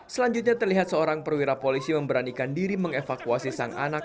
selanjutnya terlihat seorang perwira polisi memberanikan diri mengevakuasi sang anak